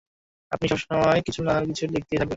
আপনি সবসময় কিছু না কিছু লিখতেই থাকবে।